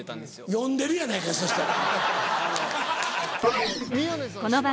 読んでるやないかいそしたら。